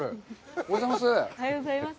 おはようございます。